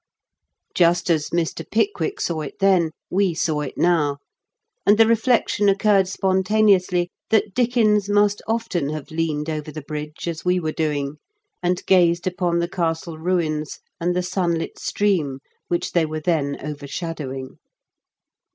Just as Mr. Pickwick saw it then, we saw it now; and the reflection occurred spon taneously that Dickens must often have leaned over the bridge as we were doing, and gazed upon the castle ruins and the sunlit stream which they were then overshadowing.